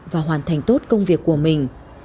và hoàn thành tốt công việc của mình